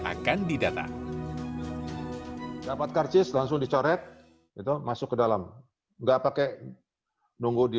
akan didata dapat karcis langsung dicoret itu masuk ke dalam enggak pakai nunggu di